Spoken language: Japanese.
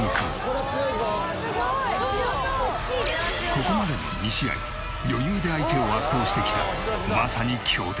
ここまでの２試合余裕で相手を圧倒してきたまさに強敵。